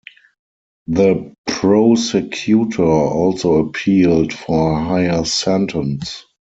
The prosecutor also appealed for a higher sentence.